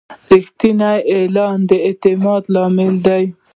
رښتینی اعلان د اعتماد لامل دی.